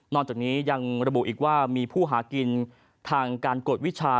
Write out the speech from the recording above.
จากนี้ยังระบุอีกว่ามีผู้หากินทางการกวดวิชา